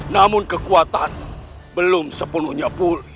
namun kekuatan belum sepenuhnya full